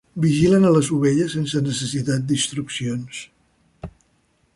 Vigilen a les ovelles sense necessitat d'instruccions.